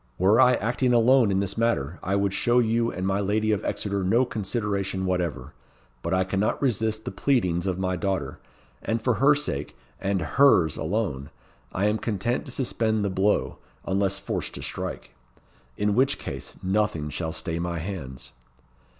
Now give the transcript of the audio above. Were I acting alone in this matter, I would show you and my lady of Exeter no consideration whatever; but I cannot resist the pleadings of my daughter; and for her sake and hers alone I am content to suspend the blow, unless forced to strike; in which case, nothing shall stay my hands."